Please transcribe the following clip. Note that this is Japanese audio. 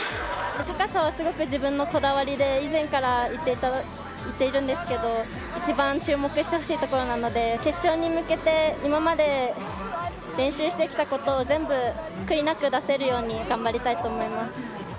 高さはすごく自分のこだわりで、以前から言っているんですけど、一番注目してほしいところなので、決勝に向けて、今まで練習してきたことを全部、悔いなく出せるように頑張りたいと思います。